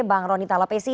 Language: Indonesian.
bang ronita lepesi